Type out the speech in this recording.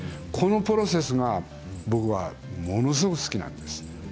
このプロセスが僕はものすごい好きなんです。